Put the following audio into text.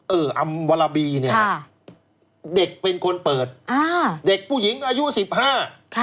อืออำวรบีนี่นะครับด็กเป็นคนเปิดด็กผู้หญิงอายุ๑๕ครับ